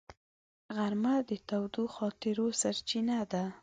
غرمه د تودو خاطرو سرچینه ده